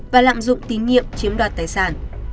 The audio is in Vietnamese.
và lạm dụng tín nhiệm chiếm đoạt tài sản